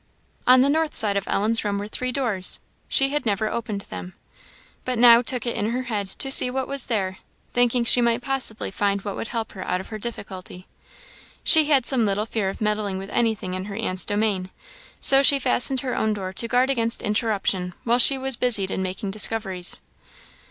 On the north side of Ellen's room were three doors. She had never opened them, but now took it into her head to see what was there, thinking she might possibly find what would help her out of her difficulty. She had some little fear of meddling with anything in her aunt's domain; so she fastened her own door, to guard against interruption while she was busied in making discoveries.